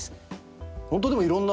ホントでもいろんな。